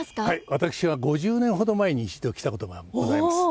私は５０年ほど前に一度来たことがございます。